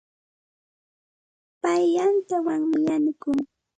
Pay yantawanmi yanukun.